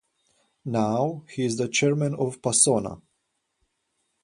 Now, he is the Chairman of Pasona.